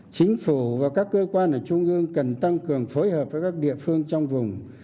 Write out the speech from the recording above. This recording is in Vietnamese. chính phủ và các cơ quan ở trung ương cần tăng cường phối hợp với các địa phương trong vùng